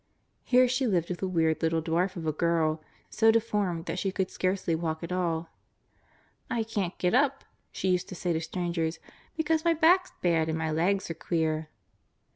Here she lived with a weird little dwarf of a girl, so deformed that she could scarcely walk at all. "I can't get up," she used to say to strangers, "because my back's bad and my legs are queer."